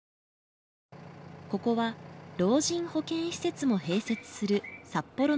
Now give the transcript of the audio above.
ここは老人保健施設も併設する札幌の病院。